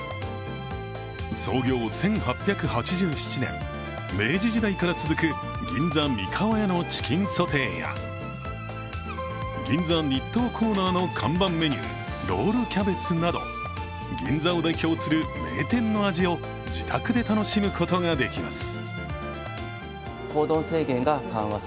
創業１８８７年、明治時代から続く銀座みかわやのチキンソテーや、銀座日東コーナーの看板メニュー、ロールキャベツなど銀座を代表する名店の味を自宅で楽しむことができます。